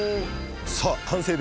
さあ完成です。